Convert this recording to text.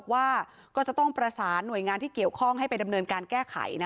แต่ยังไงก็ตามเนี่ยก็ต้องมีการตรวจสอบ